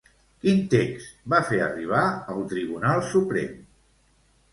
Quin text va fer arribar al Tribunal Suprem?